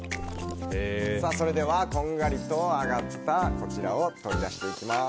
それではこんがりと揚がったこちらを取り出していきます。